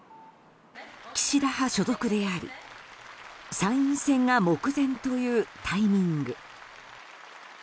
岸田派所属であり参院選が目前というタイミング。